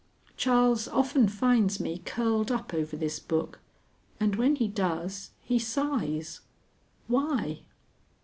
Charles often finds me curled up over this book, and when he does he sighs. Why?